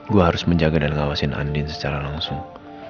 gue harus menjaga dan ngawasin andin secara langsung